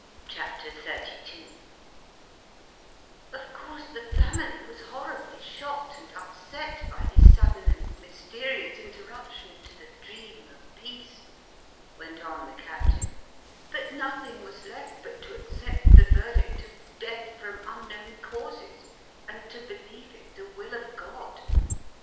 CHAPTER XXXII "Of course the family was horribly shocked and upset by this sudden and mysterious interruption to the dream of peace," went on the Captain; "but nothing was left but to accept the verdict of 'Death from unknown causes,' and to believe it the will of God.